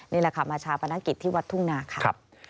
นี่แหละค่ะมาชาปนกิจที่วัดทุ่งนาค่ะ